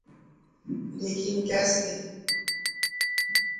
لیکن کیسے؟